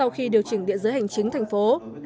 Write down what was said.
sau khi điều chỉnh địa giới hành chính thành phố